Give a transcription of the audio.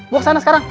gue kesana sekarang